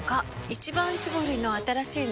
「一番搾り」の新しいの？